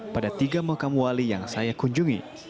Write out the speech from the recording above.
pada tiga makam wali yang saya kunjungi